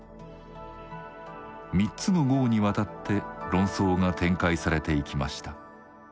３つの号にわたって論争が展開されていきました。